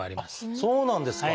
そうなんですか！